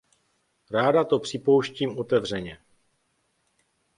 Ráda to připouštím otevřeně.